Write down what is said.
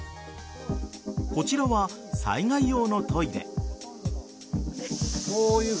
こちらは災害用のトイレ。